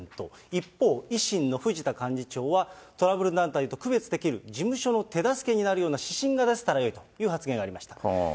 一方、維新の藤田幹事長はトラブル団体と区別できる事務所の手助けになるよう指針が出せたらいいという発言がありました。